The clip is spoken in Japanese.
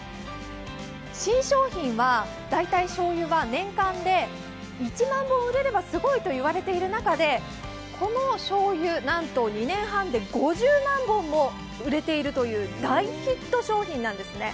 新商品は大体しょうゆは年間で１万本売れればすごいと言われている中で、この醤油、なんと２年半で５０万本も売れているという大ヒット商品なんですね。